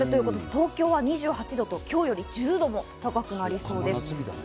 東京は２８度と今日より１０度も高くなりそうです。